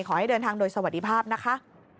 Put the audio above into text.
ขอให้เดินทางโดยสวัสดีภาพนะคะ